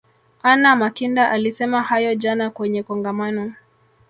anna makinda alisema hayo jana kwenye kongamano